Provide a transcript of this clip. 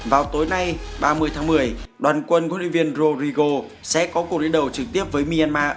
vào tối nay ba mươi tháng một mươi đoàn quân quân luyện viên rodrigo sẽ có cuộc luyện đầu trực tiếp với myanmar